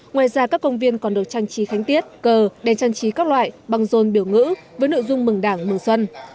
ngoài ra các công viên còn được trang trí khánh tiết cờ đèn trang trí các loại băng rôn biểu ngữ với nội dung mừng đảng mừng xuân